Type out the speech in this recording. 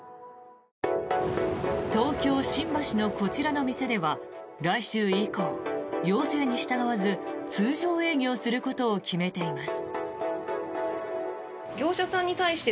東京・新橋のこちらの店では来週以降要請に従わず通常営業することを決めています。